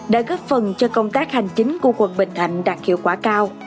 đã góp phần cho công tác hành chính của quận bình thạnh đạt hiệu quả cao